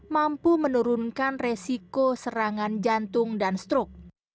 mampu menurunkan resiko serangan jantung dan strok